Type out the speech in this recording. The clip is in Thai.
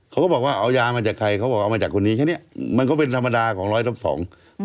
เขาก็บอกว่าเอายามาจากใครเขาบอกเอามาจากคนนี้แค่เนี้ยมันก็เป็นธรรมดาของร้อยทับสอง